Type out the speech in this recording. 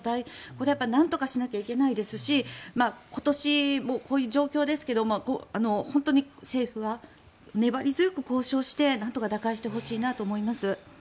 これはなんとかしなきゃいけないですし今年もこういう状況ですけど本当に政府は粘り強く交渉してなんとか打開してほしいと思います。